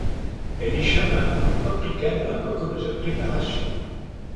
Elle échappe un pot de paprika dans la cocotte de sa préparation.